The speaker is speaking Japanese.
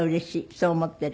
そう思っている。